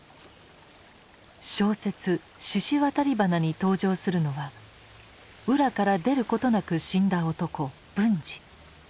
小説「獅子渡り鼻」に登場するのは「浦」から出ることなく死んだ男文治。